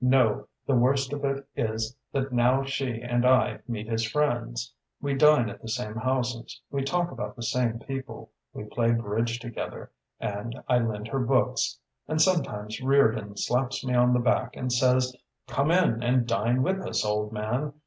"No: the worst of it is that now she and I meet as friends. We dine at the same houses, we talk about the same people, we play bridge together, and I lend her books. And sometimes Reardon slaps me on the back and says: 'Come in and dine with us, old man!